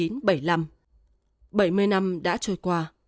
bảy mươi năm đã trôi qua